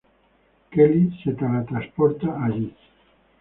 Kelly se teletransporta allí.